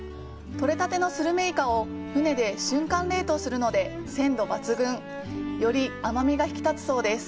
とれたてのスルメイカを船で瞬間冷凍するので、鮮度抜群！より甘みが引き立つそうです。